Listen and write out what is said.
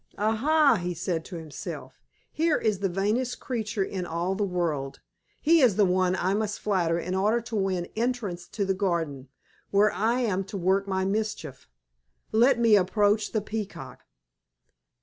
"Aha!" he said to himself, "here is the vainest creature in all the world. He is the one I must flatter in order to win entrance to the garden, where I am to work my mischief. Let me approach the Peacock."